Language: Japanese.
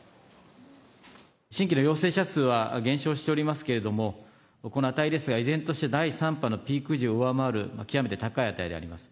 新規の陽性者数は減少しておりますけれども、この値ですが、依然として第３波のピーク時を上回る極めて高い値であります。